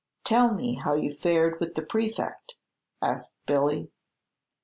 "Tell me how you fared with the Prefect," asked Billy.